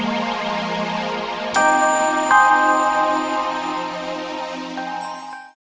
terima kasih pak ustadz